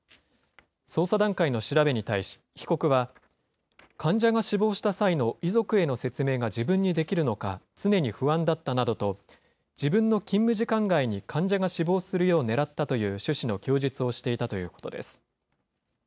捜査段階の調べに対し、被告は患者が死亡した際の遺族への説明が自分にできるのか、常に不安だったなどと、自分の勤務時間外に患者が死亡するようねらったという趣旨の供述をしていたということです。